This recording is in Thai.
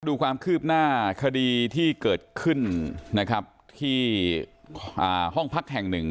ดูความคืบหน้าคดีที่เกิดขึ้นนะครับที่ห้องพักแห่งหนึ่ง